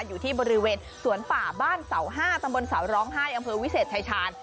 อยู่ที่บริเวณสวนป่าบ้านเสา๕ตำบลเสาร้องไห้อำเภอวิเศษชายชาญ